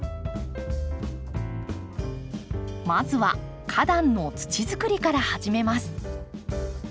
まずは花壇の土づくりから始めます。